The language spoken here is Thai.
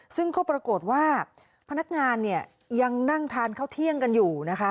ซึ่งก็ปรากฏว่าพนักงานเนี่ยยังนั่งทานข้าวเที่ยงกันอยู่นะคะ